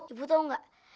ibu tau gak